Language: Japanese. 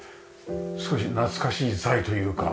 少し懐かしい材というか。